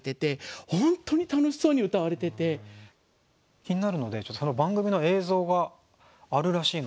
気になるのでちょっとその番組の映像があるらしいので。